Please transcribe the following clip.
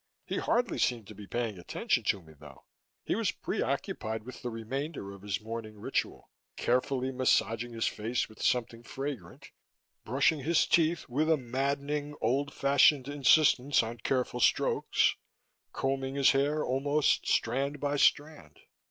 He hardly seemed to be paying attention to me, though; he was preoccupied with the remainder of his morning ritual carefully massaging his face with something fragrant, brushing his teeth with a maddening, old fashioned insistence on careful strokes, combing his hair almost strand by strand.